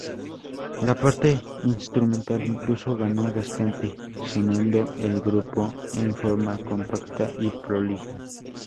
La parte instrumental, incluso, ganó bastante, sonando el grupo en forma compacta y prolija.